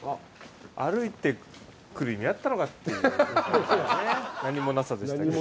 歩いてくる意味あったのかっていう何もなさでしたけど。